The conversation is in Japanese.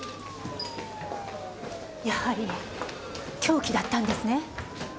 やはり凶器だったんですね？